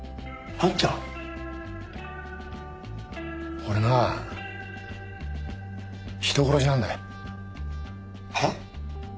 俺なぁ人殺しなんだへっ？